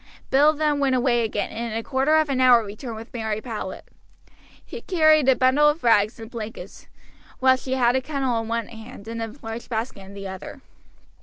Bill then went away again, and in a quarter of an hour returned with Mary Powlett. He carried a bundle of rugs and blankets, while she had a kettle in one hand and a large basket in the other.